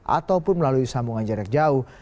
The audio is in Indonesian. ataupun melalui sambungan jarak jauh